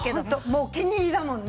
もうお気に入りだもんね。